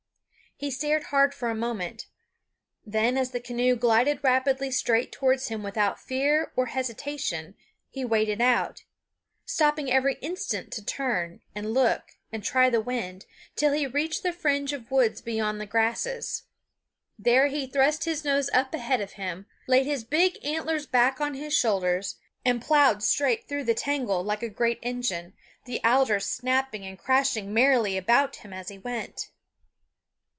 He stared hard for a moment; then as the canoe glided rapidly straight towards him without fear or hesitation he waded out, stopping every instant to turn, and look, and try the wind, till he reached the fringe of woods beyond the grasses. There he thrust his nose up ahead of him, laid his big antlers back on his shoulders, and plowed straight through the tangle like a great engine, the alders snapping and crashing merrily about him as he went.